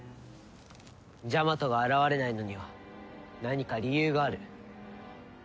ジャマトが現れないのには何か理由がある。